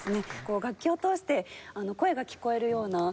楽器を通して声が聞こえるような感じがしました。